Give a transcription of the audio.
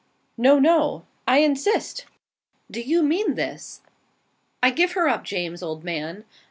"No, no!" "I insist!" "Do you mean this?" "I give her up, James, old man.